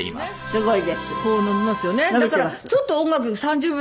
すごい。